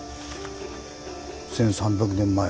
１，３００年前。